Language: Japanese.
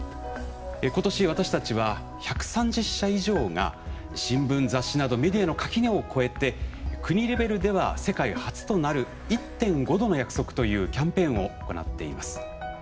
今年私たちは１３０社以上が新聞雑誌などメディアの垣根を越えて国レベルでは世界初となる「１．５℃の約束」というキャンペーンを行っています。